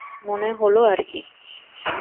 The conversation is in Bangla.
মনে হলো আরকি।